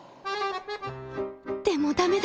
でもダメだ！